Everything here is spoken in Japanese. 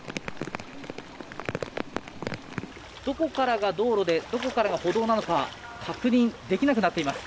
どこからが道路でどこからが歩道なのか確認できなくなっています。